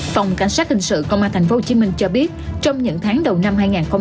phòng cảnh sát hình sự công an thành phố hồ chí minh cho biết trong những tháng đầu năm hai nghìn hai mươi hai